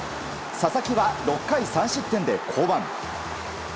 佐々木は６回３失点で降板。